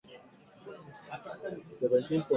Utahitaji mfuniko wa sufuria ya kupikia viazi lishe